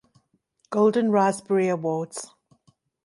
Golden Raspberry Awards